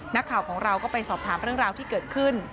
นักข่าวของเราก็ไปสอบถามเรื่องราวที่เกิดขึ้น